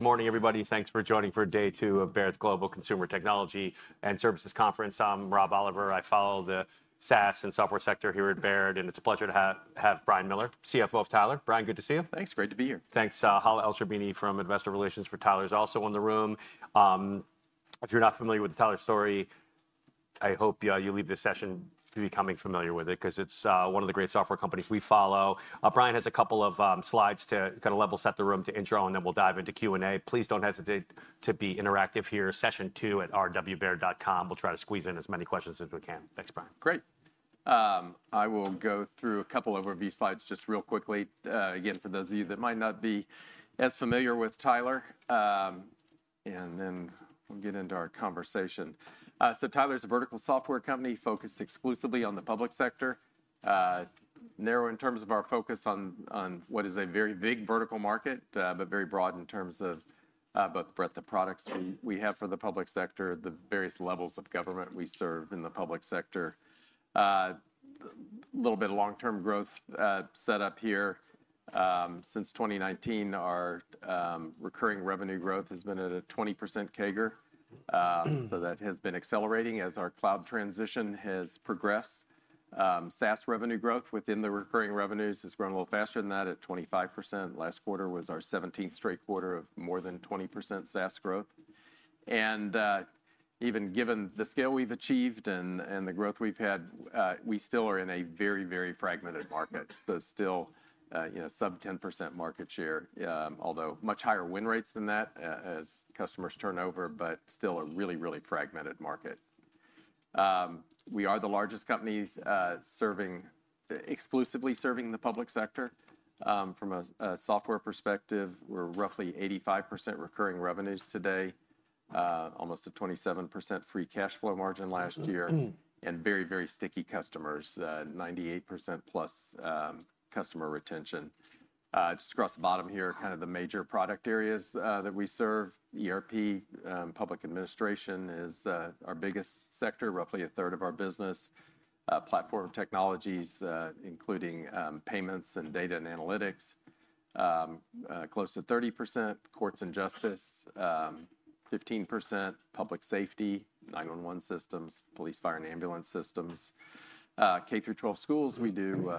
Good morning, everybody. Thanks for joining for Day Two of Baird's Global Consumer Technology and Services Conference. I'm Rob Oliver. I follow the SaaS and software sector here at Baird, and it's a pleasure to have Brian Miller, CFO of Tyler. Brian, good to see you. Thanks. Great to be here. Thanks. Hala Elsherbini from Investor Relations for Tyler is also in the room. If you're not familiar with the Tyler story, I hope you leave this session becoming familiar with it because it's one of the great software companies we follow. Brian has a couple of slides to kind of level set the room to intro, and then we'll dive into Q&A. Please don't hesitate to be interactive here. Session two at rwbaird.com. We'll try to squeeze in as many questions as we can. Thanks, Brian. Great. I will go through a couple of these slides just real quickly. Again, for those of you that might not be as familiar with Tyler, and then we'll get into our conversation. Tyler is a vertical software company focused exclusively on the public sector. Narrow in terms of our focus on what is a very big vertical market, but very broad in terms of both the breadth of products we have for the public sector, the various levels of government we serve in the public sector. A little bit of long-term growth set up here. Since 2019, our recurring revenue growth has been at a 20% CAGR. That has been accelerating as our cloud transition has progressed. SaaS revenue growth within the recurring revenues has grown a little faster than that at 25%. Last quarter was our 17th straight quarter of more than 20% SaaS growth. Even given the scale we have achieved and the growth we have had, we still are in a very, very fragmented market. Still sub 10% market share, although much higher win rates than that as customers turn over, but still a really, really fragmented market. We are the largest company exclusively serving the public sector. From a software perspective, we are roughly 85% recurring revenues today, almost a 27% free cash flow margin last year, and very, very sticky customers, 98% plus customer retention. Just across the bottom here, kind of the major product areas that we serve. ERP, public administration is our biggest sector, roughly a third of our business. Platform technologies, including payments and data and analytics, close to 30%. Courts and justice, 15%. Public safety, 911 systems, police, fire, and ambulance systems. K-12 schools, we do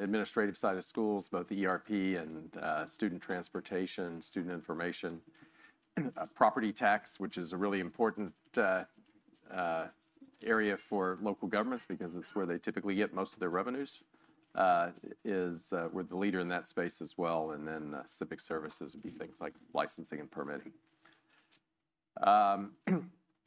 administrative side of schools, both the ERP and student transportation, student information. Property tax, which is a really important area for local governments because it is where they typically get most of their revenues, is we are the leader in that space as well. Civic services would be things like licensing and permitting.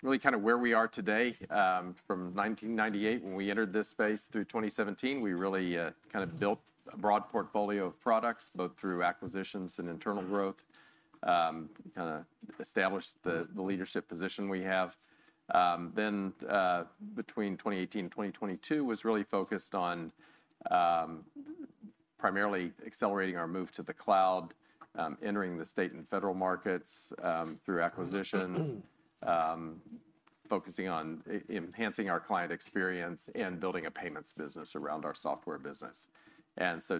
Really kind of where we are today from 1998 when we entered this space through 2017, we really kind of built a broad portfolio of products both through acquisitions and internal growth, kind of established the leadership position we have. Between 2018 and 2022 was really focused on primarily accelerating our move to the cloud, entering the state and federal markets through acquisitions, focusing on enhancing our client experience and building a payments business around our software business.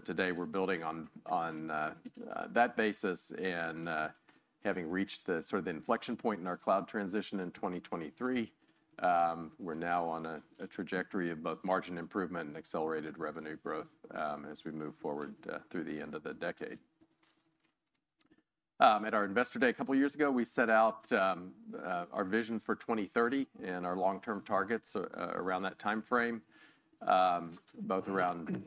Today we're building on that basis and having reached the sort of inflection point in our cloud transition in 2023. We're now on a trajectory of both margin improvement and accelerated revenue growth as we move forward through the end of the decade. At our investor day a couple of years ago, we set out our vision for 2030 and our long-term targets around that time frame, both around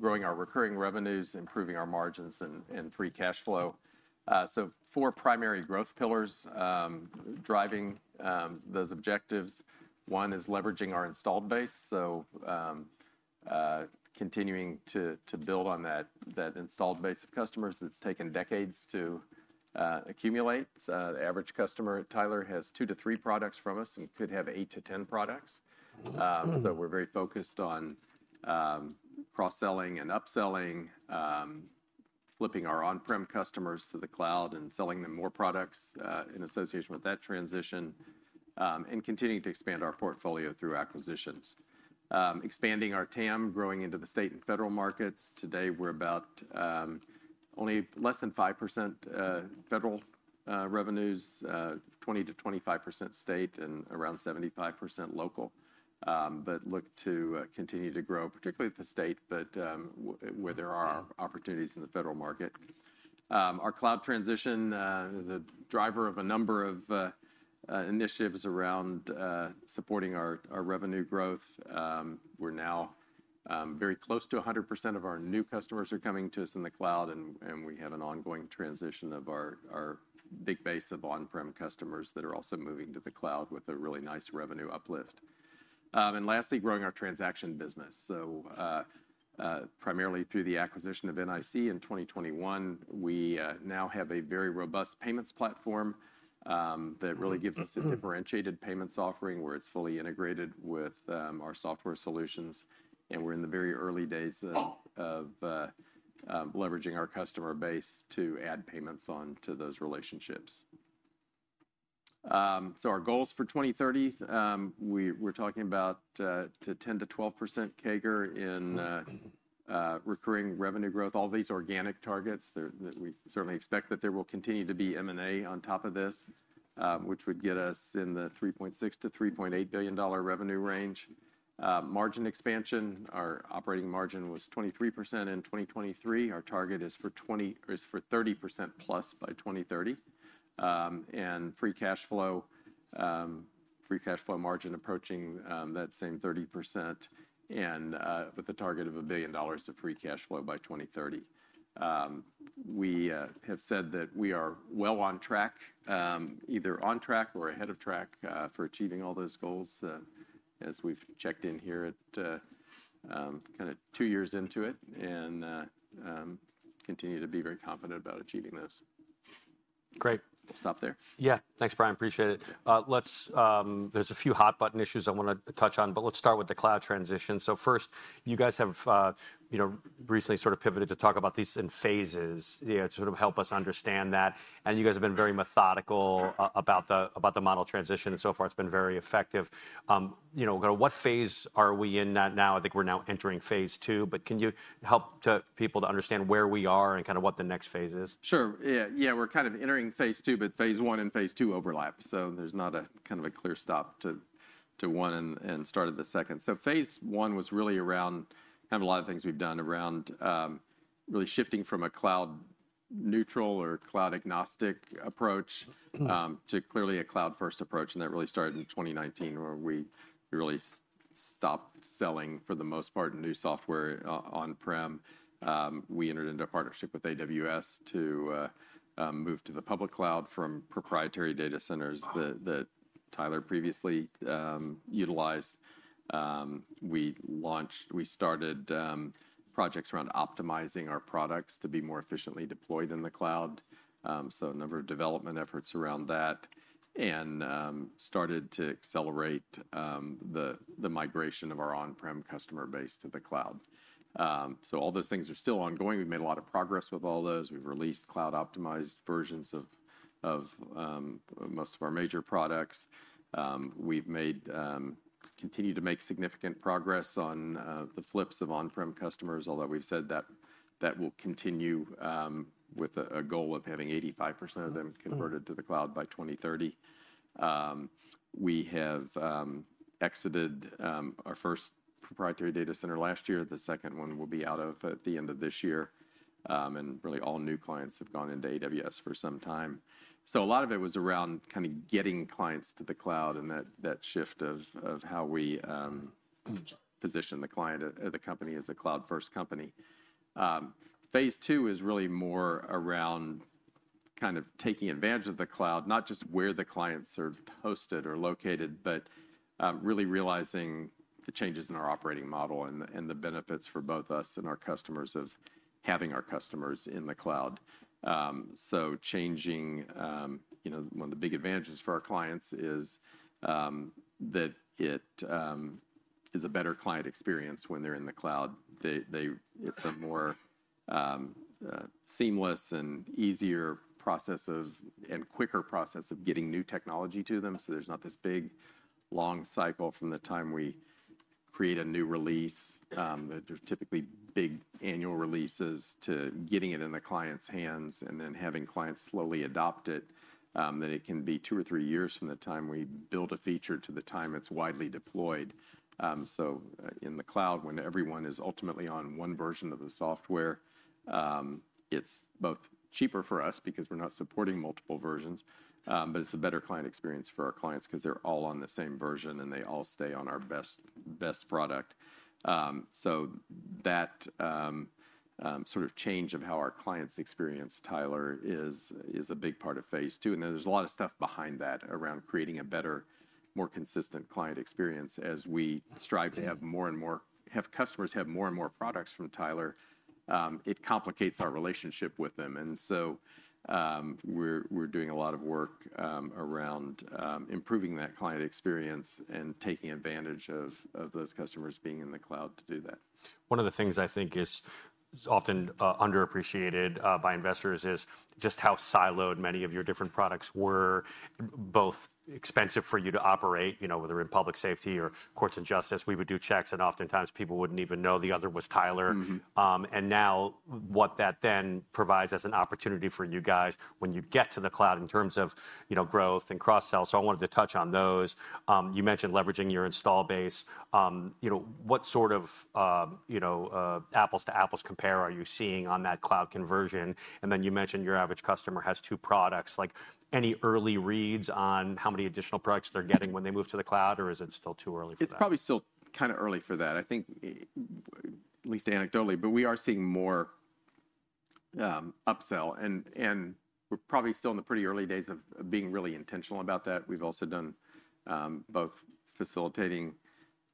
growing our recurring revenues, improving our margins, and free cash flow. Four primary growth pillars are driving those objectives. One is leveraging our installed base, continuing to build on that installed base of customers that's taken decades to accumulate. The average customer at Tyler has two to three products from us and could have eight to 10 products. We're very focused on cross-selling and upselling, flipping our on-prem customers to the cloud and selling them more products in association with that transition, and continuing to expand our portfolio through acquisitions. Expanding our TAM, growing into the state and federal markets. Today we're about only less than 5% federal revenues, 20-25% state, and around 75% local, but look to continue to grow, particularly at the state, but where there are opportunities in the federal market. Our cloud transition is a driver of a number of initiatives around supporting our revenue growth. We're now very close to 100% of our new customers are coming to us in the cloud, and we have an ongoing transition of our big base of on-prem customers that are also moving to the cloud with a really nice revenue uplift. Lastly, growing our transaction business. Primarily through the acquisition of NIC in 2021, we now have a very robust payments platform that really gives us a differentiated payments offering where it's fully integrated with our software solutions. We're in the very early days of leveraging our customer base to add payments on to those relationships. Our goals for 2030, we're talking about 10%-12% CAGR in recurring revenue growth. All these organic targets, we certainly expect that there will continue to be M&A on top of this, which would get us in the $3.6 billion-$3.8 billion revenue range. Margin expansion, our operating margin was 23% in 2023. Our target is for +30% by 2030. Free cash flow, free cash flow margin approaching that same 30% and with a target of $1 billion of free cash flow by 2030. We have said that we are well on track, either on track or ahead of track for achieving all those goals as we've checked in here at kind of two years into it and continue to be very confident about achieving those. Great. We'll stop there. Yeah. Thanks, Brian. Appreciate it. There's a few hot button issues I want to touch on, but let's start with the cloud transition. First, you guys have recently sort of pivoted to talk about these in phases to sort of help us understand that. You guys have been very methodical about the model transition. So far, it's been very effective. What phase are we in now? I think we're now entering phase II, but can you help people to understand where we are and kind of what the next phase is? Sure. Yeah, we're kind of entering phase II, but phase I and phase II overlap. There is not a kind of a clear stop to one and start at the second. Phase I was really around kind of a lot of things we've done around really shifting from a cloud neutral or cloud agnostic approach to clearly a cloud-first approach. That really started in 2019 where we really stopped selling for the most part new software on-prem. We entered into a partnership with AWS to move to the public cloud from proprietary data centers that Tyler previously utilized. We started projects around optimizing our products to be more efficiently deployed in the cloud. A number of development efforts around that started to accelerate the migration of our on-prem customer base to the cloud. All those things are still ongoing. We've made a lot of progress with all those. We've released cloud-optimized versions of most of our major products. We've continued to make significant progress on the flips of on-prem customers, although we've said that that will continue with a goal of having 85% of them converted to the cloud by 2030. We have exited our first proprietary data center last year. The second one will be out at the end of this year. Really, all new clients have gone into AWS for some time. A lot of it was around kind of getting clients to the cloud and that shift of how we position the client of the company as a cloud-first company. Phase II is really more around kind of taking advantage of the cloud, not just where the clients are hosted or located, but really realizing the changes in our operating model and the benefits for both us and our customers of having our customers in the cloud. Changing one of the big advantages for our clients is that it is a better client experience when they're in the cloud. It is a more seamless and easier process and quicker process of getting new technology to them. There is not this big long cycle from the time we create a new release. There are typically big annual releases to getting it in the client's hands and then having clients slowly adopt it. It can be two or three years from the time we build a feature to the time it is widely deployed. In the cloud, when everyone is ultimately on one version of the software, it's both cheaper for us because we're not supporting multiple versions, but it's a better client experience for our clients because they're all on the same version and they all stay on our best product. That sort of change of how our clients experience Tyler is a big part of phase II. There's a lot of stuff behind that around creating a better, more consistent client experience as we strive to have more and more customers have more and more products from Tyler. It complicates our relationship with them. We're doing a lot of work around improving that client experience and taking advantage of those customers being in the cloud to do that. One of the things I think is often underappreciated by investors is just how siloed many of your different products were, both expensive for you to operate, whether in public safety or courts and justice. We would do checks and oftentimes people would not even know the other was Tyler. Now what that then provides as an opportunity for you guys when you get to the cloud in terms of growth and cross-sell. I wanted to touch on those. You mentioned leveraging your install base. What sort of apples to apples compare are you seeing on that cloud conversion? You mentioned your average customer has two products. Any early reads on how many additional products they are getting when they move to the cloud, or is it still too early for that? It's probably still kind of early for that. I think at least anecdotally, but we are seeing more upsell. We're probably still in the pretty early days of being really intentional about that. We've also done both facilitating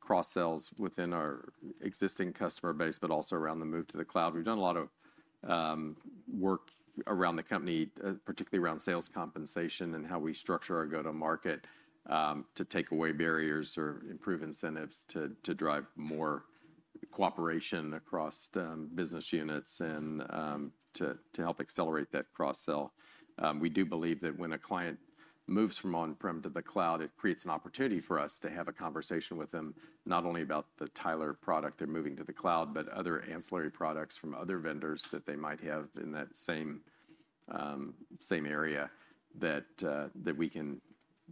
cross-sells within our existing customer base, but also around the move to the cloud. We've done a lot of work around the company, particularly around sales compensation and how we structure our go-to-market to take away barriers or improve incentives to drive more cooperation across business units and to help accelerate that cross-sell. We do believe that when a client moves from on-prem to the cloud, it creates an opportunity for us to have a conversation with them not only about the Tyler product they're moving to the cloud, but other ancillary products from other vendors that they might have in that same area that we can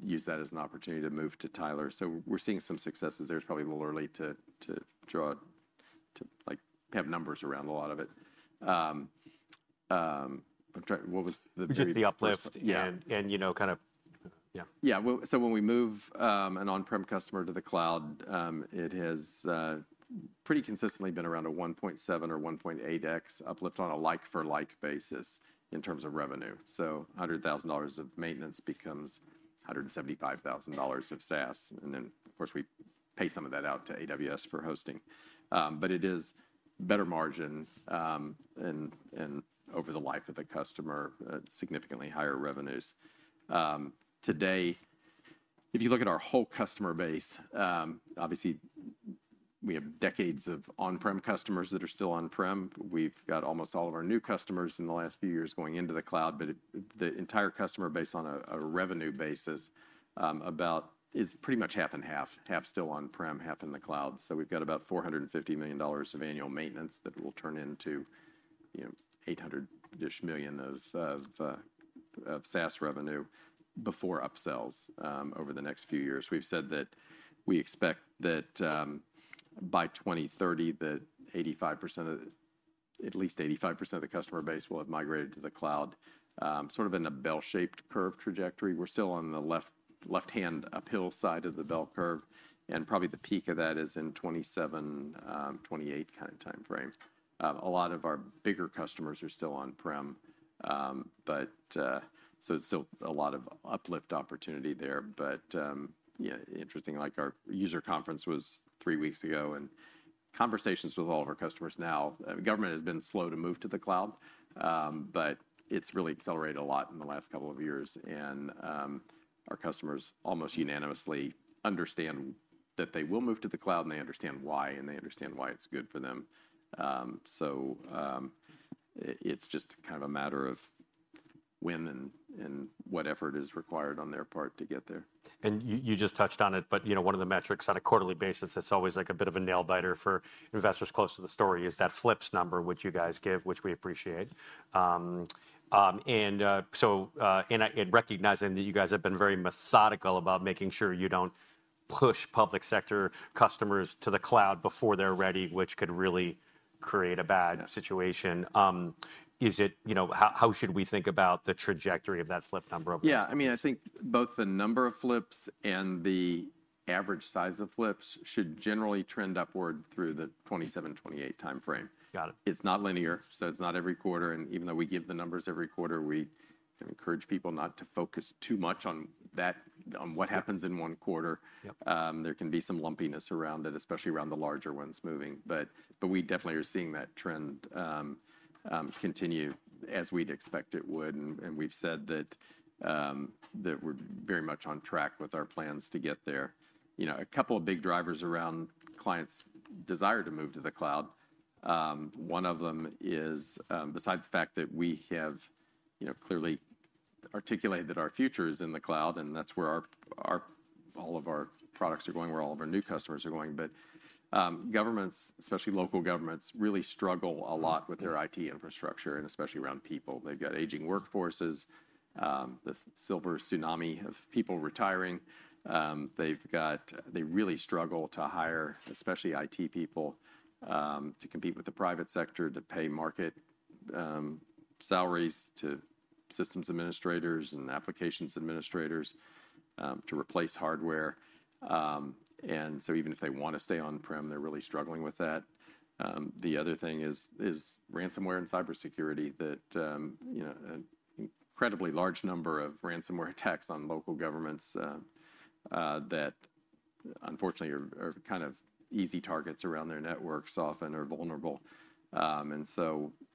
use that as an opportunity to move to Tyler. We are seeing some successes. It is probably a little early to have numbers around a lot of it. What was the. Just the uplift and kind of. Yeah. When we move an on-prem customer to the cloud, it has pretty consistently been around a 1.7 or 1.8x uplift on a like-for-like basis in terms of revenue. $100,000 of maintenance becomes $175,000 of SaaS. Of course, we pay some of that out to AWS for hosting. It is better margin and over the life of the customer, significantly higher revenues. Today, if you look at our whole customer base, obviously we have decades of on-prem customers that are still on-prem. We've got almost all of our new customers in the last few years going into the cloud, but the entire customer base on a revenue basis is pretty much half-and-half, half still on-prem, half in the cloud. We've got about $450 million of annual maintenance that will turn into $800 million-ish of SaaS revenue before upsells over the next few years. We've said that we expect that by 2030, at least 85% of the customer base will have migrated to the cloud, sort of in a bell-shaped curve trajectory. We're still on the left-hand uphill side of the bell curve. Probably the peak of that is in the 2027-2028 kind of timeframe. A lot of our bigger customers are still on-prem, so it's still a lot of uplift opportunity there. Interesting, like our user conference was three weeks ago and conversations with all of our customers now, government has been slow to move to the cloud, but it's really accelerated a lot in the last couple of years. Our customers almost unanimously understand that they will move to the cloud and they understand why and they understand why it's good for them. It is just kind of a matter of when and what effort is required on their part to get there. You just touched on it, but one of the metrics on a quarterly basis that's always like a bit of a nail biter for investors close to the story is that flips number, which you guys give, which we appreciate. Recognizing that you guys have been very methodical about making sure you don't push public sector customers to the cloud before they're ready, which could really create a bad situation. How should we think about the trajectory of that flip number over the next? Yeah, I mean, I think both the number of flips and the average size of flips should generally trend upward through the 2027, 2028 timeframe. It's not linear, so it's not every quarter. Even though we give the numbers every quarter, we encourage people not to focus too much on what happens in one quarter. There can be some lumpiness around it, especially around the larger ones moving. We definitely are seeing that trend continue as we'd expect it would. We've said that we're very much on track with our plans to get there. A couple of big drivers around clients' desire to move to the cloud. One of them is, besides the fact that we have clearly articulated that our future is in the cloud, and that's where all of our products are going, where all of our new customers are going. Governments, especially local governments, really struggle a lot with their IT infrastructure, and especially around people. They have got aging workforces, the silver tsunami of people retiring. They really struggle to hire, especially IT people, to compete with the private sector, to pay market salaries to systems administrators and applications administrators to replace hardware. Even if they want to stay on-prem, they are really struggling with that. The other thing is ransomware and cybersecurity, that incredibly large number of ransomware attacks on local governments that unfortunately are kind of easy targets around their networks often are vulnerable.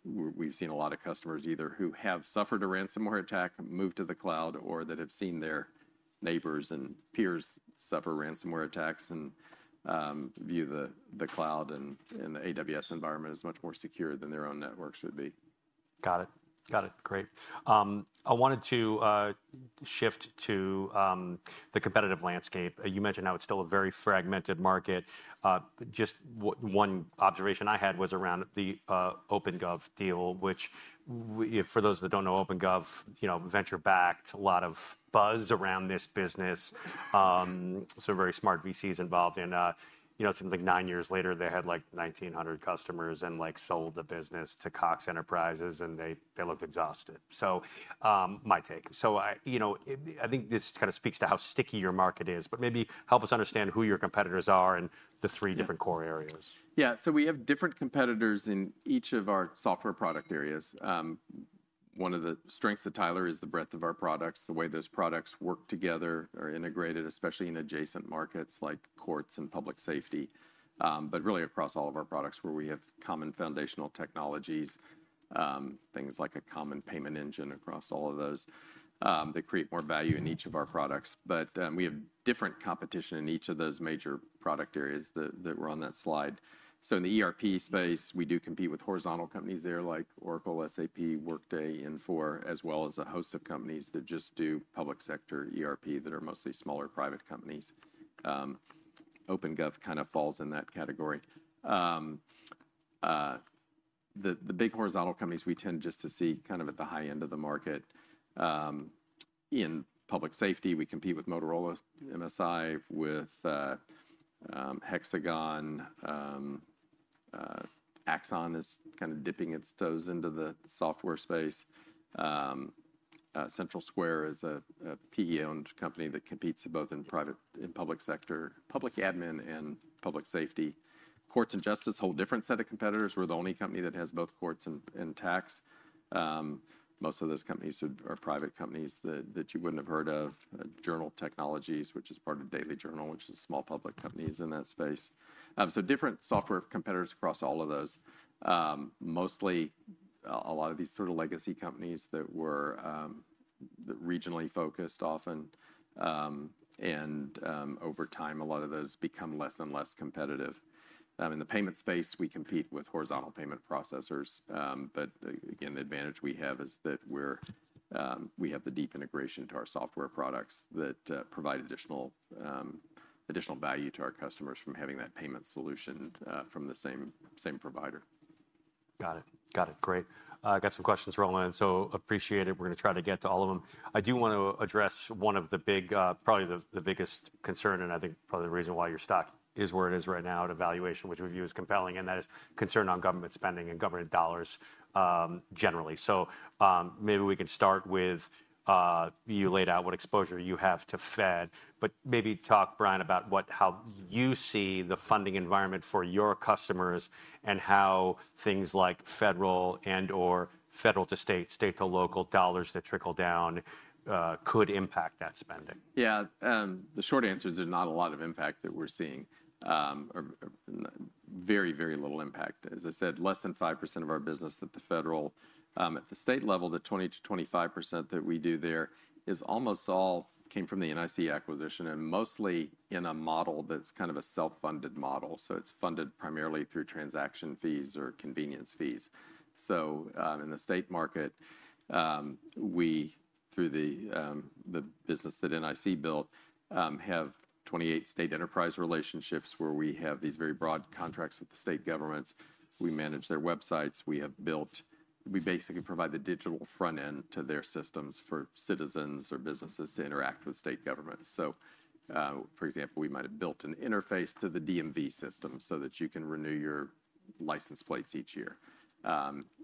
We have seen a lot of customers either who have suffered a ransomware attack, moved to the cloud, or that have seen their neighbors and peers suffer ransomware attacks and view the cloud and the AWS environment as much more secure than their own networks would be. Got it. Got it. Great. I wanted to shift to the competitive landscape. You mentioned how it's still a very fragmented market. Just one observation I had was around the OpenGov deal, which for those that do not know, OpenGov venture-backed, a lot of buzz around this business. So very smart VCs involved in something like nine years later, they had like 1,900 customers and sold the business to Cox Enterprises, and they looked exhausted. So my take. I think this kind of speaks to how sticky your market is, but maybe help us understand who your competitors are and the three different core areas. Yeah. We have different competitors in each of our software product areas. One of the strengths of Tyler is the breadth of our products, the way those products work together or are integrated, especially in adjacent markets like courts and public safety, but really across all of our products where we have common foundational technologies, things like a common payment engine across all of those that create more value in each of our products. We have different competition in each of those major product areas that were on that slide. In the ERP space, we do compete with horizontal companies there like Oracle, SAP, Workday, Infor, as well as a host of companies that just do public sector ERP that are mostly smaller private companies. OpenGov kind of falls in that category. The big horizontal companies we tend just to see kind of at the high end of the market. In public safety, we compete with Motorola, MSI, with Hexagon. Axon is kind of dipping its toes into the software space. CentralSquare is a PE-owned company that competes both in public sector, public admin, and public safety. Courts and justice hold a different set of competitors. We're the only company that has both courts and tax. Most of those companies are private companies that you wouldn't have heard of. Journal Technologies, which is part of Daily Journal, which is a small public company that's in that space. Different software competitors across all of those. Mostly a lot of these sort of legacy companies that were regionally focused often. Over time, a lot of those become less and less competitive. In the payment space, we compete with horizontal payment processors. Again, the advantage we have is that we have the deep integration to our software products that provide additional value to our customers from having that payment solution from the same provider. Got it. Got it. Great. Got some questions rolling in, so appreciate it. We're going to try to get to all of them. I do want to address one of the big, probably the biggest concern, and I think probably the reason why your stock is where it is right now at evaluation, which we view as compelling, and that is concern on government spending and government dollars generally. Maybe we can start with you laid out what exposure you have to Fed, but maybe talk, Brian, about how you see the funding environment for your customers and how things like federal and/or federal to state, state to local dollars that trickle down could impact that spending? Yeah. The short answer is there's not a lot of impact that we're seeing, very, very little impact. As I said, less than 5% of our business at the federal. At the state level, the 20-25% that we do there is almost all came from the NIC acquisition and mostly in a model that's kind of a self-funded model. It's funded primarily through transaction fees or convenience fees. In the state market, we, through the business that NIC built, have 28 state enterprise relationships where we have these very broad contracts with the state governments. We manage their websites. We basically provide the digital front end to their systems for citizens or businesses to interact with state governments. For example, we might have built an interface to the DMV system so that you can renew your license plates each year.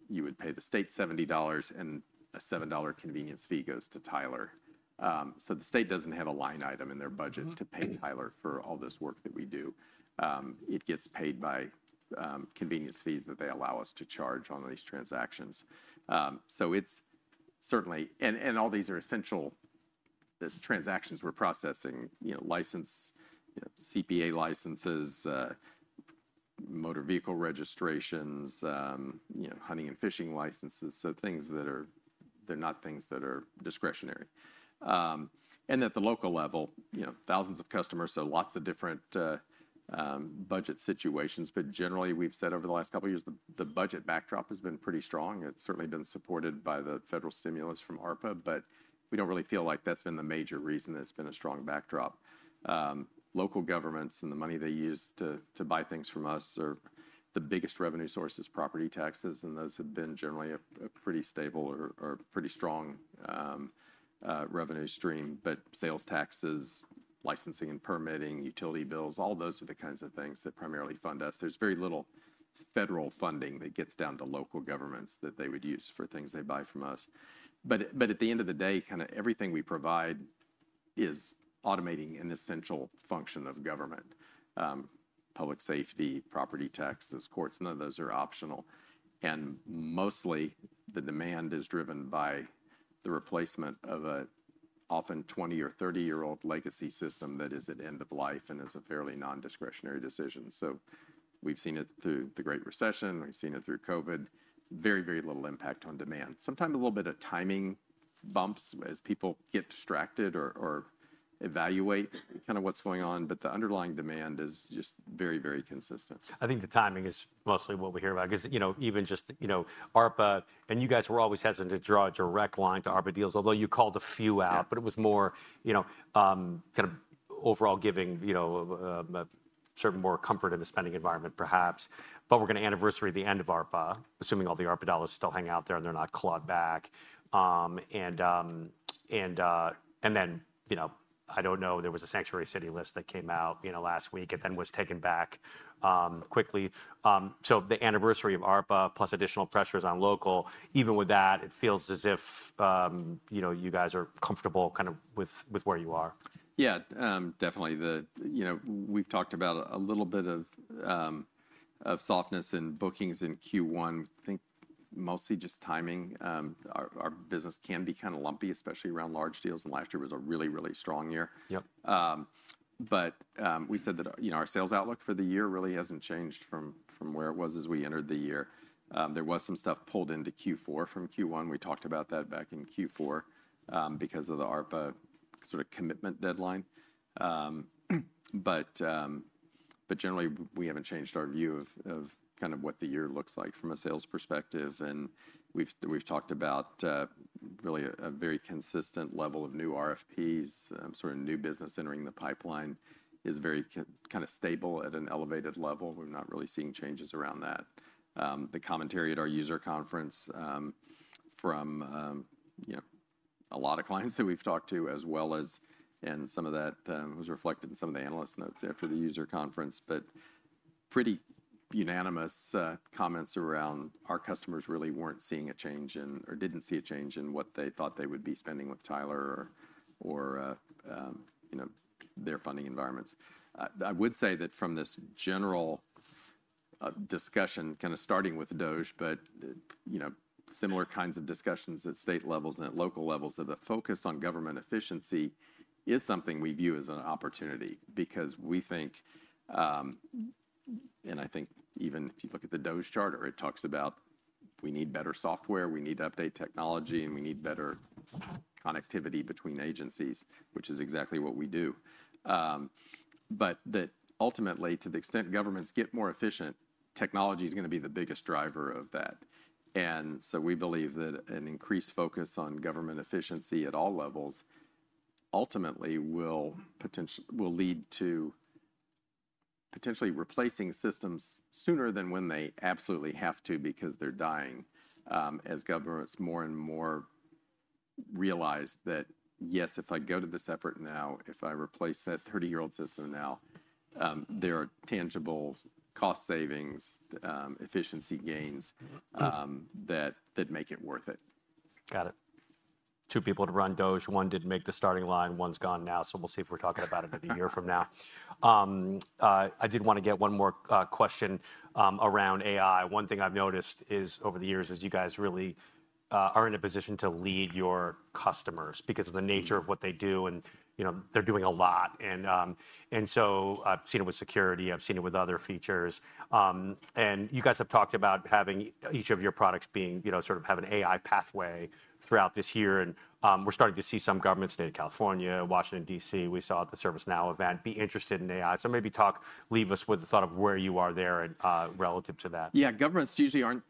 You would pay the state $70, and a $7 convenience fee goes to Tyler. The state does not have a line item in their budget to pay Tyler for all this work that we do. It gets paid by convenience fees that they allow us to charge on these transactions. Certainly, and all these are essential transactions we are processing, license, CPA licenses, motor vehicle registrations, hunting and fishing licenses, so things that are not things that are discretionary. At the local level, thousands of customers, so lots of different budget situations. Generally, we have said over the last couple of years, the budget backdrop has been pretty strong. It has certainly been supported by the federal stimulus from ARPA, but we do not really feel like that has been the major reason that it has been a strong backdrop. Local governments and the money they use to buy things from us are the biggest revenue sources, property taxes, and those have been generally a pretty stable or pretty strong revenue stream. Sales taxes, licensing and permitting, utility bills, all those are the kinds of things that primarily fund us. There's very little federal funding that gets down to local governments that they would use for things they buy from us. At the end of the day, kind of everything we provide is automating an essential function of government, public safety, property taxes, courts. None of those are optional. Mostly the demand is driven by the replacement of an often 20 or 30-year-old legacy system that is at end of life and is a fairly non-discretionary decision. We have seen it through the Great Recession. We have seen it through COVID. Very, very little impact on demand. Sometimes a little bit of timing bumps as people get distracted or evaluate kind of what's going on, but the underlying demand is just very, very consistent. I think the timing is mostly what we hear about because even just ARPA, and you guys were always hesitant to draw a direct line to ARPA deals, although you called a few out, but it was more kind of overall giving sort of more comfort in the spending environment, perhaps. We are going to anniversary the end of ARPA, assuming all the ARPA dollars still hang out there and they are not clawed back. I do not know, there was a sanctuary city list that came out last week and then was taken back quickly. The anniversary of ARPA plus additional pressures on local, even with that, it feels as if you guys are comfortable kind of with where you are. Yeah, definitely. We've talked about a little bit of softness in bookings in Q1. I think mostly just timing. Our business can be kind of lumpy, especially around large deals, and last year was a really, really strong year. We said that our sales outlook for the year really hasn't changed from where it was as we entered the year. There was some stuff pulled into Q4 from Q1. We talked about that back in Q4 because of the ARPA sort of commitment deadline. Generally, we haven't changed our view of kind of what the year looks like from a sales perspective. We've talked about really a very consistent level of new RFPs, sort of new business entering the pipeline is very kind of stable at an elevated level. We're not really seeing changes around that. The commentary at our user conference from a lot of clients that we've talked to, as well as, and some of that was reflected in some of the analyst notes after the user conference, but pretty unanimous comments around our customers really weren't seeing a change in or didn't see a change in what they thought they would be spending with Tyler or their funding environments. I would say that from this general discussion, kind of starting with DOGE, but similar kinds of discussions at state levels and at local levels, that the focus on government efficiency is something we view as an opportunity because we think, and I think even if you look at the DOGE charter, it talks about we need better software, we need to update technology, and we need better connectivity between agencies, which is exactly what we do. Ultimately, to the extent governments get more efficient, technology is going to be the biggest driver of that. We believe that an increased focus on government efficiency at all levels ultimately will lead to potentially replacing systems sooner than when they absolutely have to because they are dying as governments more and more realize that, yes, if I go to this effort now, if I replace that 30-year-old system now, there are tangible cost savings, efficiency gains that make it worth it. Got it. Two people to run DOGE. One didn't make the starting line. One's gone now. We'll see if we're talking about it a year from now. I did want to get one more question around AI. One thing I've noticed is over the years is you guys really are in a position to lead your customers because of the nature of what they do, and they're doing a lot. I've seen it with security. I've seen it with other features. You guys have talked about each of your products being sort of have an AI pathway throughout this year. We're starting to see some governments, state of California, Washington, DC, we saw at the ServiceNow event, be interested in AI. Maybe talk, leave us with the thought of where you are there relative to that. Yeah, governments usually are not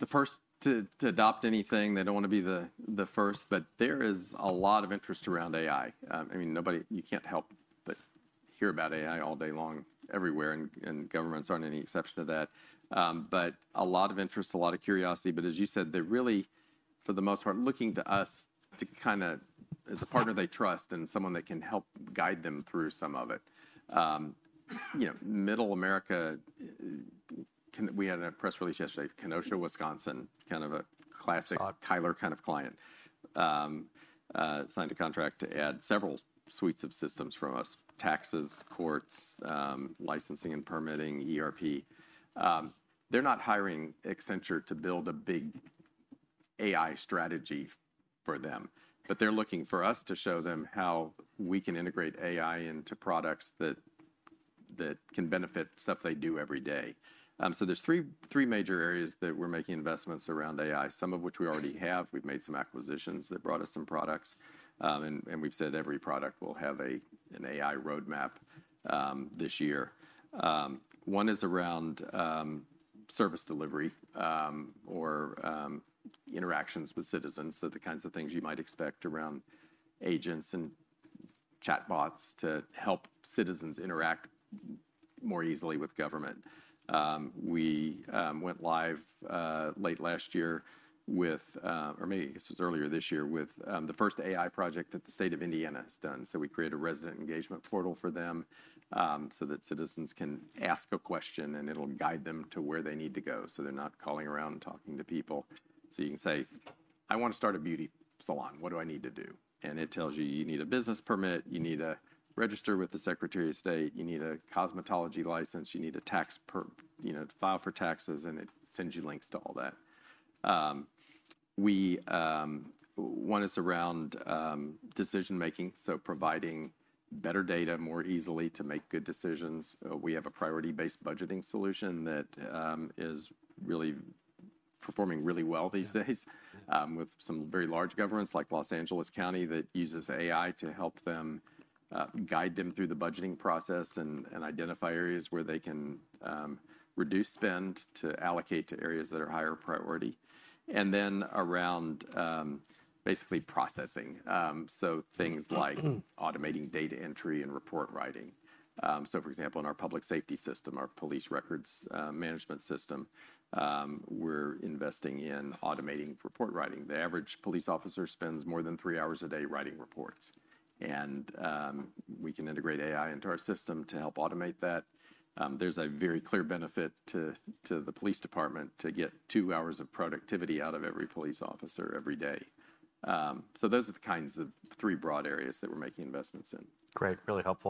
the first to adopt anything. They do not want to be the first, but there is a lot of interest around AI. I mean, nobody, you cannot help but hear about AI all day long everywhere, and governments are not any exception to that. A lot of interest, a lot of curiosity. As you said, they are really, for the most part, looking to us to kind of as a partner they trust and someone that can help guide them through some of it. Middle America, we had a press release yesterday, Kenosha, Wisconsin, kind of a classic Tyler kind of client, signed a contract to add several suites of systems from us, taxes, courts, licensing, and permitting, ERP. They're not hiring Accenture to build a big AI strategy for them, but they're looking for us to show them how we can integrate AI into products that can benefit stuff they do every day. There are three major areas that we're making investments around AI, some of which we already have. We've made some acquisitions that brought us some products, and we've said every product will have an AI roadmap this year. One is around service delivery or interactions with citizens, so the kinds of things you might expect around agents and chatbots to help citizens interact more easily with government. We went live late last year with, or maybe this was earlier this year, with the first AI project that the state of Indiana has done. We created a resident engagement portal for them so that citizens can ask a question and it will guide them to where they need to go so they are not calling around and talking to people. You can say, "I want to start a beauty salon. What do I need to do?" and it tells you you need a business permit, you need to register with the Secretary of State, you need a cosmetology license, you need to file for taxes, and it sends you links to all that. One is around decision-making, so providing better data more easily to make good decisions. We have a priority-based budgeting solution that is really performing really well these days with some very large governments like Los Angeles County that uses AI to help them guide them through the budgeting process and identify areas where they can reduce spend to allocate to areas that are higher priority. Around basically processing, things like automating data entry and report writing. For example, in our public safety system, our police records management system, we're investing in automating report writing. The average police officer spends more than three hours a day writing reports. We can integrate AI into our system to help automate that. There is a very clear benefit to the police department to get two hours of productivity out of every police officer every day. Those are the kinds of three broad areas that we're making investments in. Great. Really helpful.